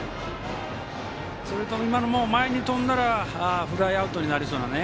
それと今のも前に飛んだらフライアウトになりますかね。